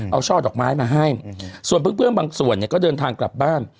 เอาช่อดอกไม้มาให้ส่วนเพื่อนบางส่วนเนี่ยก็เดินทางกลับบ้าน